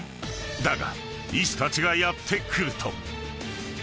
［だが医師たちがやって来ると］